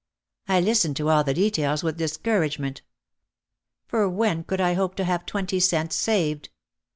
I listened to all the details with discourage ment. For when could I hope to have twenty cents saved